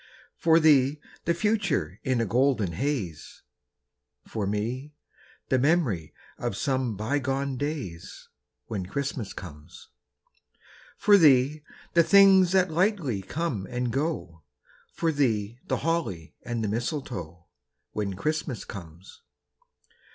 For thee, the future in a golden haze, For me, the memory of some bygone days, When Christmas comes. For thee, the things that lightly come and go, For thee, the holly and the mistletoe, When Christmas comes.